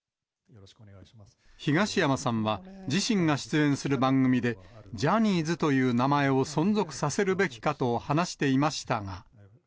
東山さんは、自身が出演する番組で、ジャニーズという名前を存続させるべきかと話していましたが。